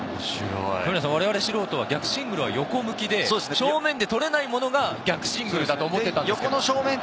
われわれ素人は逆シングルは横向きで正面でとれないものが逆シングルだと思ってたんですけれど。